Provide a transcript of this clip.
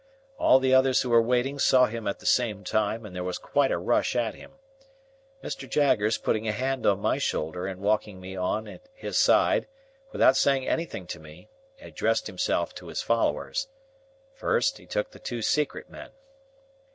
All the others who were waiting saw him at the same time, and there was quite a rush at him. Mr. Jaggers, putting a hand on my shoulder and walking me on at his side without saying anything to me, addressed himself to his followers. First, he took the two secret men.